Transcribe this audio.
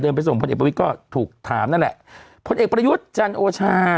ไปส่งพลเอกประวิทย์ก็ถูกถามนั่นแหละพลเอกประยุทธ์จันโอชา